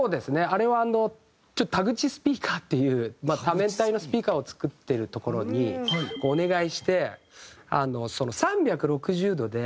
あれはタグチスピーカーっていう多面体のスピーカーを作ってるところにお願いして３６０度で。